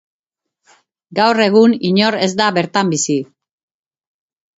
Gaur egun inor ez da bertan bizi.